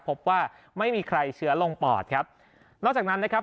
พบว่าไม่มีใครเชื้อลงปอดครับนอกจากนั้นนะครับ